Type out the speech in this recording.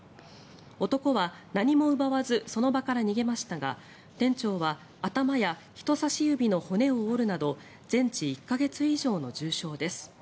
男は何も奪わずその場から逃げましたが店長は頭や人さし指の骨を折るなど全治１か月以上の重傷です。